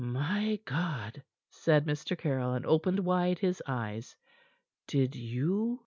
"My God," said Mr. Caryll, and opened wide his eyes. "Did you